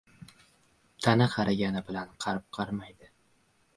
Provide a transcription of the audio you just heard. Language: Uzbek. • Tana qarigani bilan, qalb qarimaydi.